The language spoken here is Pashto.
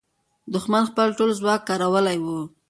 دښمن خپل ټول ځواک کارولی وو.